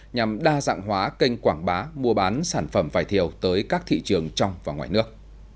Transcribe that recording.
nhằm đa dạng hóa kênh quảng bá mua bán sản phẩm vải thiều tới các thị trường trong và ngoài nước